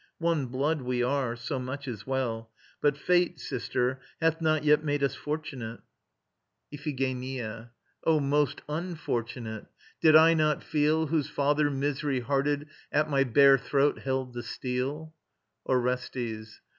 One blood we are; so much is well. But Fate, Sister, hath not yet made us fortunate. IPHIGENIA. O most unfortunate! Did I not feel, Whose father, misery hearted, at my bare Throat held the steel? ORESTES.